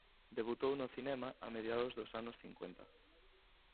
Debutou no cinema a mediados dos anos cincuenta.